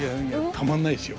たまんないですよ。